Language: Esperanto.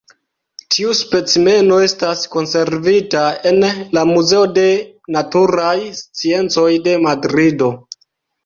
Tiu specimeno estas konservita en la Muzeo de Naturaj Sciencoj de Madrido.